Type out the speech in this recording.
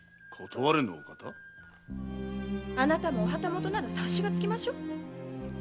あなたもお旗本なら察しがつきましょう？